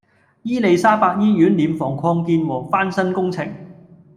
伊利沙伯醫院殮房擴建和翻新工程